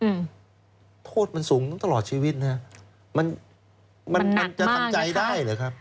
อืมโทษมันสูงตลอดชีวิตนะครับมันมันหนักมากนะครับมันจะทำใจได้หรือครับ